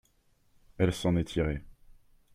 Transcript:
Elle s’en est tirée.